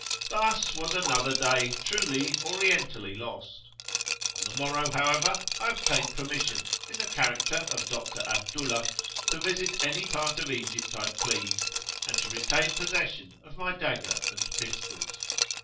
Thus was another day truly orientally lost. On the morrow, however, I obtained permission, in the character of Dr. Abdullah, to visit any part of Egypt I pleased, and to retain possession of my dagger and pistols.